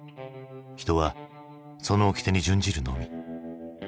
人はそのおきてに準じるのみ。